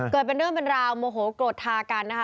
เป็นเรื่องเป็นราวโมโหโกรธทากันนะคะ